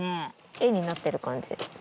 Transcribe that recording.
絵になってる感じ。